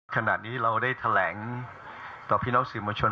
ขณะนี้เราได้แถลงต่อพี่น้องสื่อมวลชน